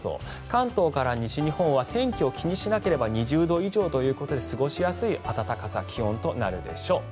関東から西は天気を気にしなければ２０度以上ということで過ごしやすい暖かさ気温となるでしょう。